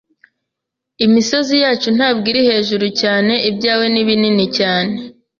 Imisozi yacu ntabwo iri hejuru cyane. Ibyawe ni binini cyane.